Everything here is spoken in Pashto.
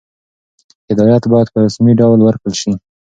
هدایت باید په رسمي ډول ورکړل شي.